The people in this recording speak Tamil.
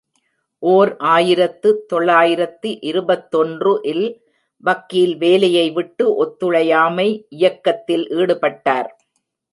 ஓர் ஆயிரத்து தொள்ளாயிரத்து இருபத்தொன்று ல் வக்கீல் வேலையை விட்டு ஒத்துழையாமை இயக்கத்தில் ஈடுபட்டார்.